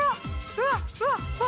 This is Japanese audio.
うわっうわっ！